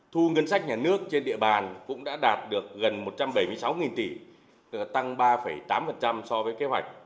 thu ngân sách nhà nước trên địa bàn cũng đã đạt được gần một trăm bảy mươi sáu tỷ tăng ba tám so với kế hoạch